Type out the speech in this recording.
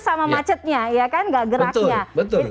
sama macetnya ya kan nggak geraknya betul